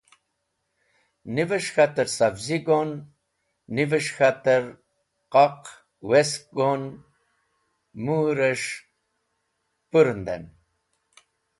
nives̃h k̃hater savzi go’n, nives̃h k̃hater qaq west go’n, mũres̃h pũrũnden.